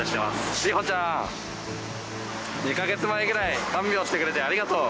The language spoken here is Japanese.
シホちゃん２か月前くらい看病してくれてありがとう。